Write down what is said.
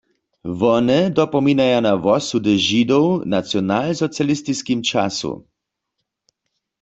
Wone dopominaja na wosudy Židow w nacionalsocialistiskim času.